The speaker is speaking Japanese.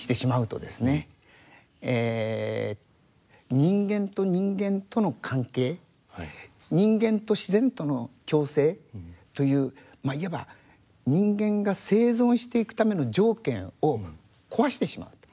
人間と人間との関係人間と自然との共生といういわば人間が生存していくための条件を壊してしまうと。